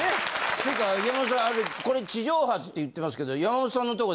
ていうか山本さんあれこれ地上波って言ってますけど。